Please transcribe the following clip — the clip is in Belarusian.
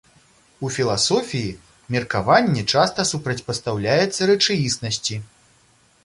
У філасофіі меркаванне часта супрацьпастаўляецца рэчаіснасці.